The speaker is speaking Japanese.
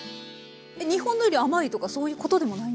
日本のより甘いとかそういうことでもないんですか？